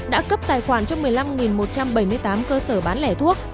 đã cấp tài khoản cho một mươi năm một trăm bảy mươi tám cơ sở bán lẻ thuốc